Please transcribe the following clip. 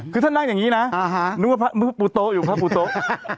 คือท่านนั่งอย่างนี้นะนึกว่าปูโต๊ะอยู่พระปูโต๊ะ